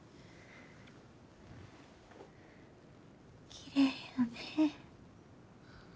きれいやね。